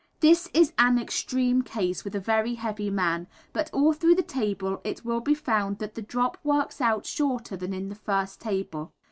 This is an extreme case, with a very heavy man, but all through the table it will be found that the drop works out shorter than in the first table.